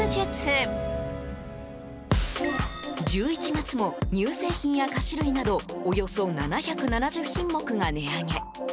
１１月も、乳製品や菓子類などおよそ７７０品目が値上げ。